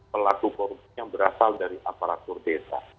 pelaku korupsi yang berasal dari aparatur desa